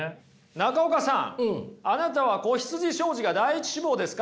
中岡さんあなたは子羊商事が第１志望ですか？